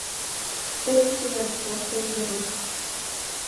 Тыйым шонем, — воштылын Веруш...